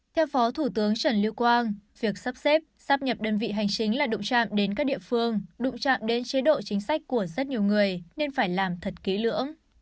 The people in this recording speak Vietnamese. theo phó thủ tướng trần lưu quang việc sắp xếp sắp nhập đơn vị hành chính là đụng chạm đến các địa phương đụng chạm đến chế độ chính sách của rất nhiều người nên phải làm thật kỹ lưỡng